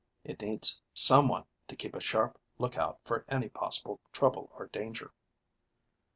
It needs someone to keep a sharp lookout for any possible trouble or danger."